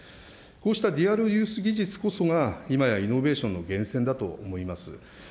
こうしたデュアルユース技術こそがいまやイノベーションの源泉だと思います。